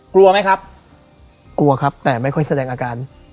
กลัวไหมครับกลัวครับแต่ไม่ค่อยแสดงอาการ